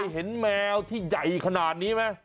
เห็นแมวที่ใหญ่ขนาดนี้ไหม